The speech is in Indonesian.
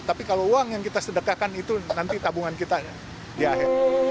tapi kalau uang yang kita sedekahkan itu nanti tabungan kita ya di akhir